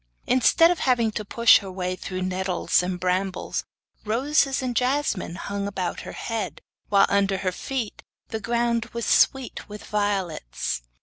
Instead of having to push her way through nettles and brambles, roses and jasmine hung about her head, while under her feet the ground was sweet with violets.